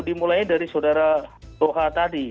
dimulainya dari sodara oh tadi